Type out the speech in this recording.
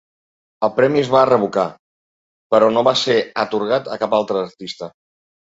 El premi es va revocar, però no va ser atorgat a cap altre artista.